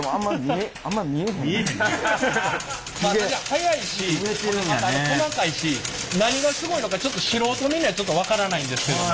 速いしほんでまた細かいし何がすごいのかちょっと素人目には分からないんですけど。